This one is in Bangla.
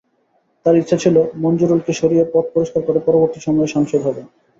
তাঁর ইচ্ছে ছিল মনজুরুলকে সরিয়ে পথ পরিষ্কার করে পরবর্তী সময়ে সাংসদ হবেন।